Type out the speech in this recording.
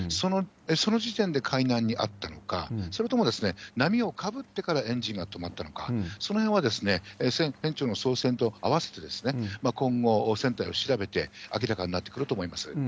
その時点で海難に遭ったのか、それとも波をかぶってからエンジンが止まったのか、そのへんは船長の操船と併せて、今後、船体を調べて明らかになってくると思います。